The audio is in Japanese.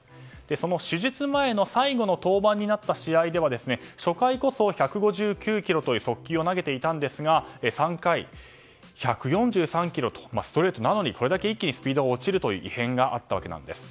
その手術前の最後の登板になった試合では初回こそ１５９キロという速球を投げていたんですが３回、１４３キロとストレートなのに一気にスピードが落ちる異変があったわけです。